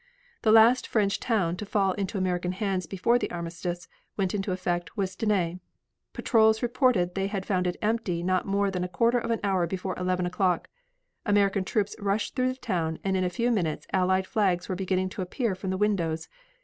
The last French town to fall into American hands before the armistice went into effect was Stenay. Patrols reported they had found it empty not more than a quarter of an hour before eleven o'clock. American troops rushed through the town and in a few minutes Allied flags were beginning to appear from the windows.